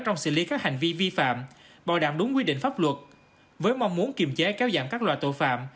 trong xử lý các hành vi vi phạm bảo đảm đúng quy định pháp luật với mong muốn kiềm chế kéo giảm các loại tội phạm